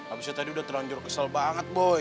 abis itu tadi udah terlanjur kesel banget boy